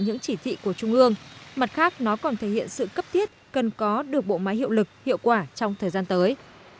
những chỉ thị của trung ương mặt khác nó còn thể hiện sự cấp thiết cần có được bộ máy hiệu lực hiệu quả trong thời gian tới